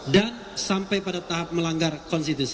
dan sampai pada tahap melanggar konstitusi